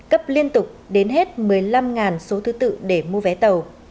cấp liên tục đến hết một mươi năm số thứ tự để mua vé tàu